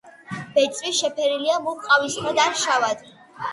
ბეწვი შეფერილია მუქ ყავისფრად ან შავად.